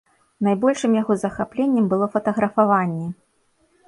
Найбольшым яго захапленнем было фатаграфаванне.